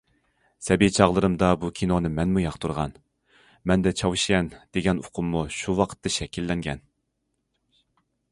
سەبىي چاغلىرىمدا بۇ كىنونى مەنمۇ ياقتۇرغان، مەندە چاۋشيەن دېگەن ئۇقۇممۇ شۇ ۋاقىتتا شەكىللەنگەن.